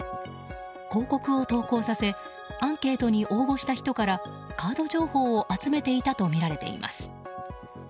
広告を投稿させアンケートに応募した人からカード情報を集めていたとみられています。